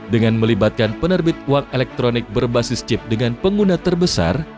dengan melibatkan penerbit uang elektronik berbasis chip dengan pengguna terbesar